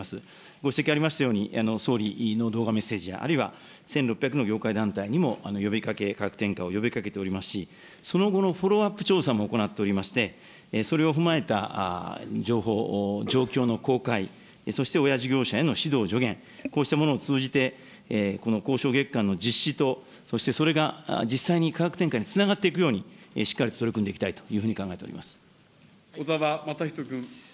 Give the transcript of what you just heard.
ご指摘ありましたように、総理の動画メッセージや、あるいは１６００の業界団体にも呼びかけ、価格転嫁を呼びかけておりますし、その後のフォローアップ調査も行っておりまして、それを踏まえた情報、状況の公開、そして親事業者への指導、助言、こうしたものを通じて、この交渉月間の実施とそしてそれが実際に価格転嫁につながっていくように、しっかりと取り組んでいきたいというふうに考えており小沢雅仁君。